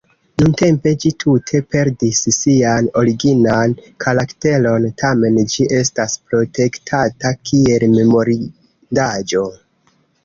Nuntempe ĝi tute perdis sian originan karakteron, tamen ĝi estas protektata kiel memorindaĵo.